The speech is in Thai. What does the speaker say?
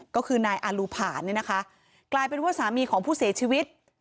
ก็คือนายอารูผ่านเนี่ยนะคะกลายเป็นว่าสามีของผู้เสียชีวิต